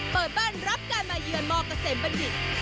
เปิดบ้านรับการมาเยือนมเกษมบัณฑิต